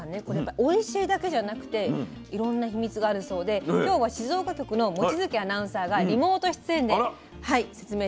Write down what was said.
これやっぱおいしいだけじゃなくていろんな秘密があるそうで今日は静岡局の望月アナウンサーがリモート出演で説明してくれます。